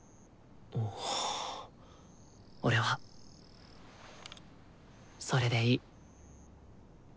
俺はそれでいい。